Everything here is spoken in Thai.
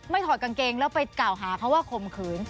ถอดกางเกงแล้วไปกล่าวหาเขาว่าข่มขืน